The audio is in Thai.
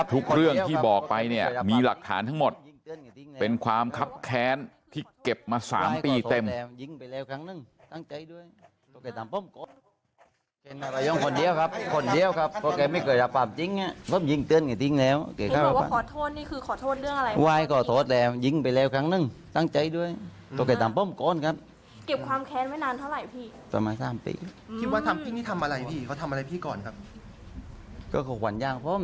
ทุกเรื่องที่บอกไปเนี่ยมีหลักฐานทั้งหมดเป็นความคับแค้นที่เก็บมา๓ปีเต็ม